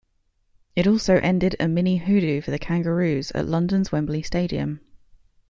It also ended a mini-hoodoo for the Kangaroos at London's Wembley Stadium.